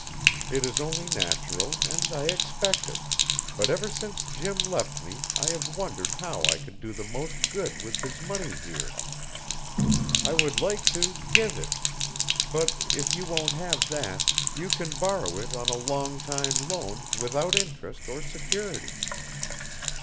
It is only natural and I expect it, but ever since Jim left me I have wondered how I could do the most good with his money here. I would like to give it; but if you won't have that, you can borrow it on a long time loan without interest or security.